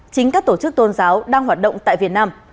chính các tổ chức tôn giáo đang hoạt động tại việt nam